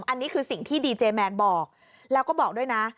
อันนี้คือสิ่งที่ดีเจแมนบอกแล้วก็บอกด้วยนะ